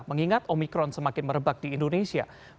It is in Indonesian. mengingat omikron semakin merebak di indonesia